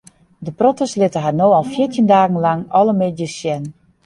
De protters litte har no al fjirtjin dagen lang alle middeis sjen.